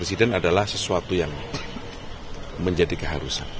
itu yang menjadi keharusan